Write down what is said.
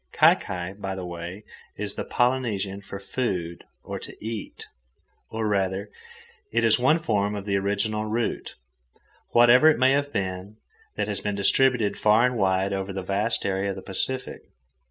Kai kai, by the way, is the Polynesian for "food" or "to eat," or, rather, it is one form of the original root, whatever it may have been, that has been distributed far and wide over the vast area of the Pacific.